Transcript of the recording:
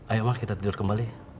ayo ma kita tidur kembali